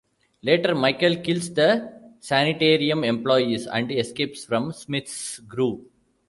Later, Michael kills the sanitarium employees and escapes from Smith's Grove.